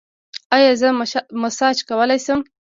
ایا زه مساج کولی شم؟